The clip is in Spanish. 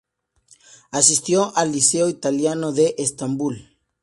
Asistió al Liceo Italiano de Estambul.